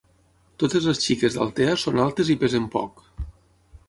Totes les xiques d’Altea són altes i pesen poc.